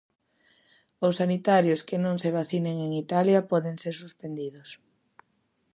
Os sanitarios que non se vacinen en Italia poden ser suspendidos.